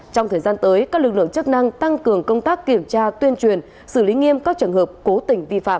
trong thời gian tới các lực lượng chức năng tăng cường công tác kiểm tra tuyên truyền xử lý nghiêm các trường hợp cố tình vi phạm